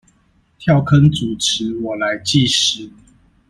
跳坑主持，我來計時